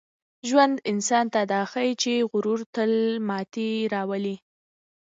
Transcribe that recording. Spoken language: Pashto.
ژوند انسان ته دا ښيي چي غرور تل ماتې راولي.